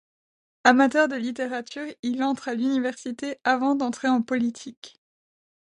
Amateur de littérature, il entre à l'université avant d'entrer en politique.